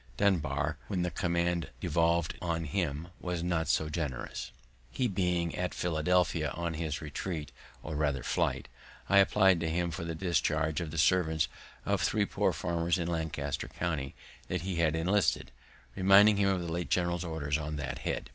Dunbar, when the command devolv'd on him, was not so generous. He being at Philadelphia, on his retreat, or rather flight, I apply'd to him for the discharge of the servants of three poor farmers of Lancaster county that he had enlisted, reminding him of the late general's orders on that head.